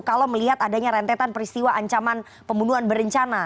kalau melihat adanya rentetan peristiwa ancaman pembunuhan berencana